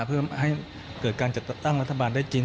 เพื่อให้เกิดการจัดตั้งรัฐบาลได้จริง